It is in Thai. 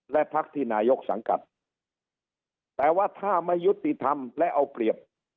และพักที่นายกสังกัดแต่ว่าถ้าไม่ยุติธรรมและเอาเปรียบ